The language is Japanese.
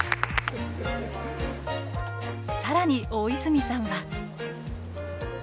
更に大泉さんは。